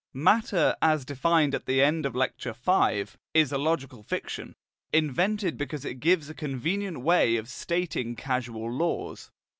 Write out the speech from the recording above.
Matter, as defined at the end of Lecture V, is a logical fiction, invented because it gives a convenient way of stating causal laws.